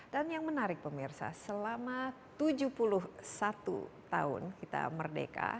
dan yang menarik pemirsa selama tujuh puluh satu tahun kita merdeka